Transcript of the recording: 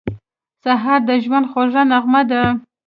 سهار د ژوند خوږه نغمه ده.